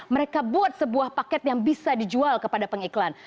mereka buat sebuah paket yang bisa dijual kepada pengiklan